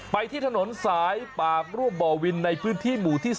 ที่ถนนสายปากร่วมบ่อวินในพื้นที่หมู่ที่๓